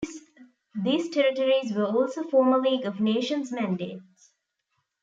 These territories were also former League of Nations mandates.